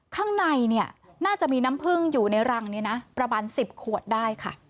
ข้างในเนี่ยน่าจะมีน้ำพึ่งอยู่ในรังนี้นะประมาณ๑๐ขวดได้ค่ะ